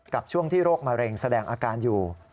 ช่วงที่โรคมะเร็งแสดงอาการอยู่